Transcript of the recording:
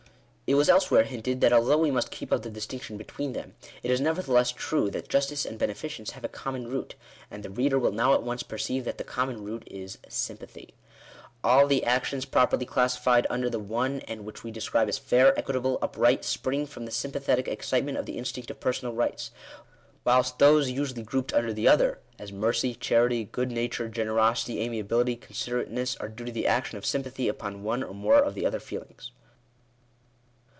It was elsewhere hinted (p. 71), that though we must keep * up the distinction between them, it is nevertheless true that justice and beneficence have a common root, and the reader will now at once perceive that the common root is — Sympathy. All the actions properly classified under the one, and which we describe as fair, equitable, upright, spring from the sympathetic excitement of the instinct of personal rights; whilst those usually grouped under the other, as mercy, charity, good nature, generosity, amiability, considerateness, are due to the action of .Sympathy upon one or more of the other feelings.